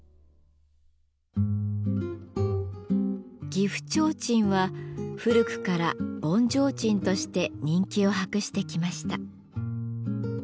岐阜提灯は古くから盆提灯として人気を博してきました。